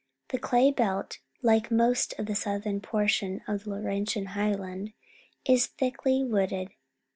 The Clay Belt, like most of the southern portion of the Laurentian Highland, is thickly wooded.